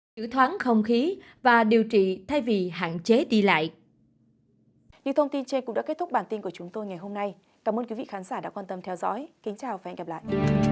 chữ thoáng không khí và điều trị thay vì hạn chế đi lại